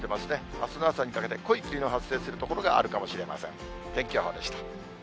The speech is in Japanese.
あすの朝にかけて、濃い霧の発生する所があるかもしれません。